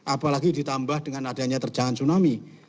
apalagi ditambah dengan adanya terjangan tsunami